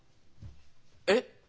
えっ？